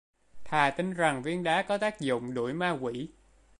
thà tin rằng viên đá có tác dụng đuổi ma quỷ